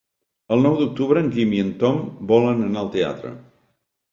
El nou d'octubre en Guim i en Tom volen anar al teatre.